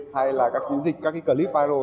hay là các chiến dịch các clip viral